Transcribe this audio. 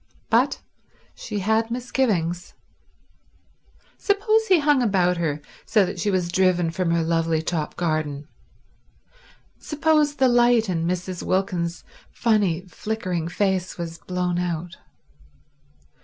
But—she had misgivings. Suppose he hung about her so that she was driven from her lovely top garden; suppose the light in Mrs. Wilkins's funny, flickering face was blown out.